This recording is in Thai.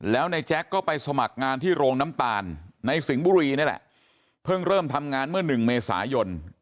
แล้วในแจ็คก็ไปสมัครงานที่โรงน้ำตาลในสิงห์บุรีนี่แหละเพิ่งเริ่มทำงานเมื่อหนึ่งเมษายน